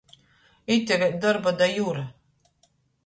Ite vēļ dorba da Jura.